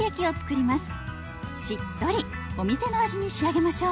しっとりお店の味に仕上げましょう。